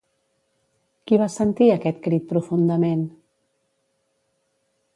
Qui va sentir aquest crit profundament?